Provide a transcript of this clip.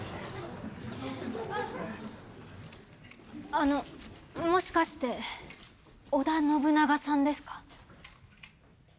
あのもしかして織田信長さんですか？